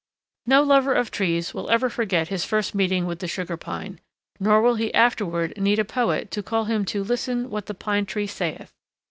No lover of trees will ever forget his first meeting with the Sugar Pine, nor will he afterward need a poet to call him to "listen what the pine tree saith."